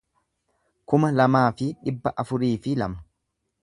kuma lamaa fi dhibba afurii fi lama